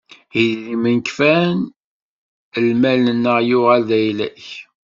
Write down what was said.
Idrimen kfan, lmal-nneɣ yuɣal d ayla-k.